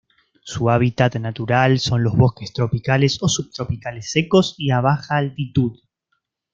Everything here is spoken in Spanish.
Su hábitat natural son los bosques tropicales o subtropicales secos y a baja altitud.